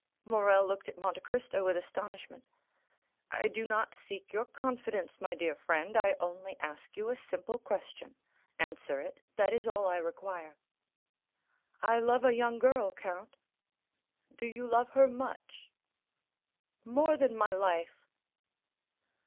Morrel looked at Monte Cristo with astonishment. "I do not seek your confidence, my dear friend. I only ask you a simple question; answer it;—that is all I require." "I love a young girl, count." "Do you love her much?" "More than my life."